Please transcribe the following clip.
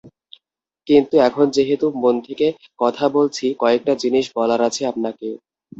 কিন্তু এখন যেহেতু মন থেকে কথা বলছি, কয়েকটা জিনিস বলার আছে আপনাকে।